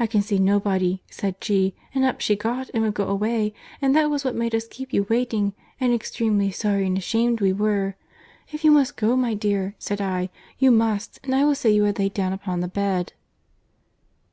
'—'I can see nobody,' said she; and up she got, and would go away; and that was what made us keep you waiting—and extremely sorry and ashamed we were. 'If you must go, my dear,' said I, 'you must, and I will say you are laid down upon the bed.